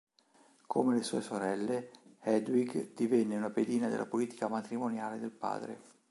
Come le sue sorelle, Hedwig divenne una pedina della politica matrimoniale del padre.